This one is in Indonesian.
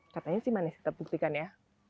katanya sih manis kita buktikan ya